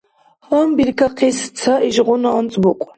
Гьанбиркахъис ца ишгъуна анцӀбукь.